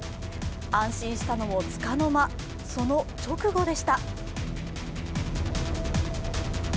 安心したのもつかの間、その直後でした。